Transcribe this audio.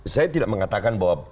saya tidak mengatakan bahwa